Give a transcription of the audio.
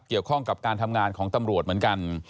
เกี่ยวข้องกับการทำงานของตำรวจเหมือนกัน